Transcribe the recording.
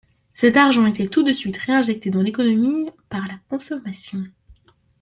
Cet argent était tout de suite réinjecté dans l’économie par la consommation.